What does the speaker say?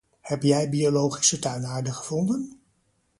Heb jij biologische tuinaarde gevonden?